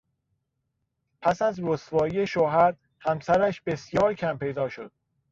پس از رسوایی شوهر، همسرش بسیار کمپیدا شد.